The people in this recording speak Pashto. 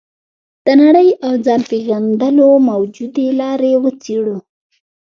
د نړۍ او ځان پېژندلو موجودې لارې وڅېړو.